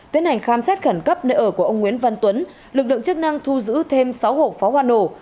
tiến hành khám xét khẩn cấp nơi ở của ông nguyễn văn tuấn lực lượng chức năng thu giữ thêm sáu hộp pháo hoa nổ